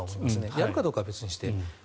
やるかどうかは別として。